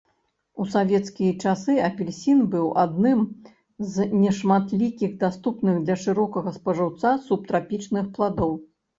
У савецкія часы апельсін быў адным з нешматлікіх даступных для шырокага спажыўца субтрапічных пладоў.